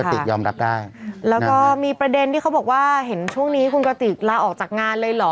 ติกยอมรับได้แล้วก็มีประเด็นที่เขาบอกว่าเห็นช่วงนี้คุณกติกลาออกจากงานเลยเหรอ